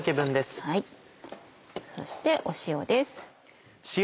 そして塩です。